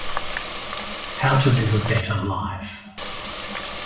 How to live a better life.